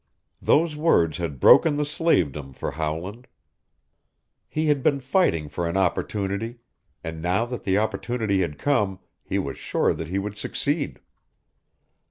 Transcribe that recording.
Those words had broken the slavedom for Howland. He had been fighting for an opportunity, and now that the opportunity had come he was sure that he would succeed.